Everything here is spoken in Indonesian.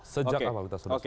sejak awal kita sudah selesai